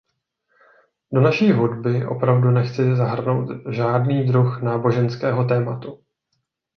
Do naší hudby opravdu nechci zahrnout žádný druh náboženského tématu.